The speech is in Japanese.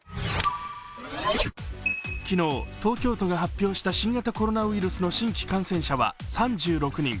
昨日、東京都が発表した新型コロナウイルスの新規感染者は３６人。